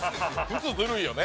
靴ずるいよね。